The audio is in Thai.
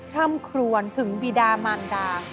ร่ำครวนถึงบีดามานดา